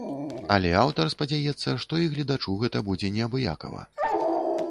Але аўтар спадзяецца, што і гледачу гэта будзе неабыякава.